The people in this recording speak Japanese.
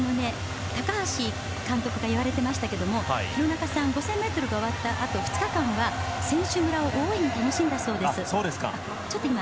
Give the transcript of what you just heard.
高橋監督が言われてましたけれども廣中さん５０００ｍが終わったあと２日間は選手村を大いに楽しんだそうです。